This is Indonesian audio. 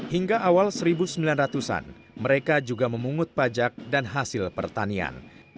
hingga awal seribu sembilan ratus an mereka juga memungut pajak dan hasil pertanian